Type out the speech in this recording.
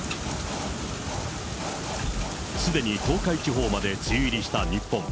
すでに東海地方まで梅雨入りした日本。